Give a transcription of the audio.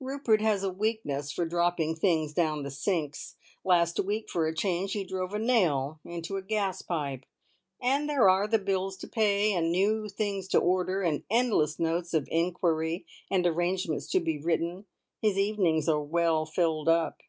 Rupert has a weakness for dropping things down the sinks. Last week, for a change, he drove a nail into a gas pipe. And there are the bills to pay, and new things to order, and endless notes of inquiry and arrangements to be written. His evenings are well filled up."